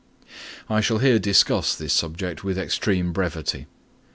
I shall here discuss this subject with extreme brevity.